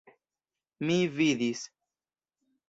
Mi vidis!